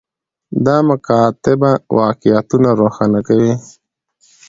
دا مکاتبه واقعیتونه روښانه کوي.